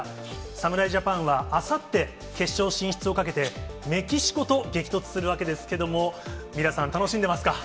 侍ジャパンはあさって、決勝進出をかけて、メキシコと激突するわけですけれども、ミラさん、楽しんでますか？